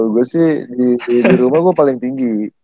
gua sih di rumah gua paling tinggi